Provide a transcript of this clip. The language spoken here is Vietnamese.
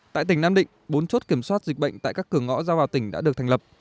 tại tỉnh nam định bốn chốt kiểm soát dịch bệnh tại các cửa ngõ giao vào tỉnh đã được thành lập